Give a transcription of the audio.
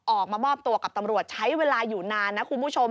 ออกมามอบตัวกับตำรวจใช้เวลาอยู่นานนะคุณผู้ชม